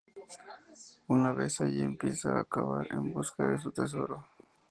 Una vez allí empieza a cavar en busca de su tesoro.